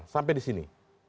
sampai di sini